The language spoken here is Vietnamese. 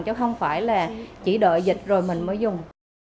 chứ không phải là chỉ đợi dịch rồi mình mới dùng